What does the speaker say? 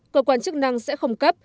cơ quan chức năng sẽ không cấp